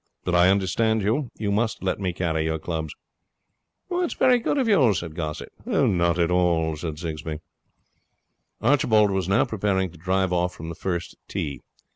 But I understand you. You must let me carry your clubs.' 'It's very good of you,' said Gossett. 'Not at all,' said Sigsbee. Archibald was now preparing to drive off from the first tee.